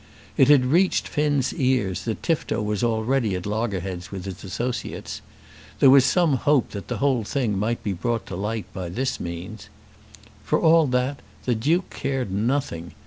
It had reached Finn's ears that Tifto was already at loggerheads with his associates. There was some hope that the whole thing might be brought to light by this means. For all that the Duke cared nothing.